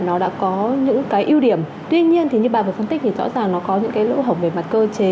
nó đã có những cái ưu điểm tuy nhiên thì như bà vừa phân tích thì rõ ràng nó có những cái lỗ hổng về mặt cơ chế